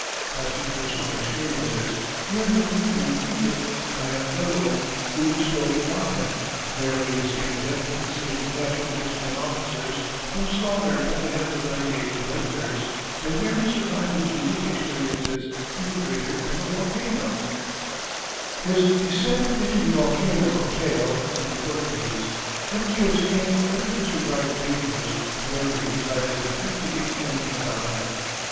As to personal experiences, he had been wounded in Egypt by a Bedouin who strove to rob him, narrowly escaped death in saving captured Mexican officers from slaughter at the hands of renegade irregulars, and barely survived his unique experiences in the crater of a volcano. [Illustration: Elisha Kent Kane.] His descent into the volcano of Tael, in the Philippines, illustrates Kane's utter disregard of dangers whenever he desired to investigate any phenomena.